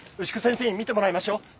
牛久先生に見てもらいましょう。